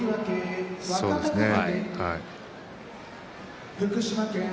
そうですね。